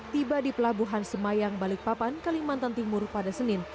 tiba di pelabuhan semayang balikpapan kalimantan timur pada senin